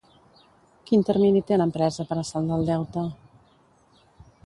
Quin termini té l'empresa per a saldar el deute?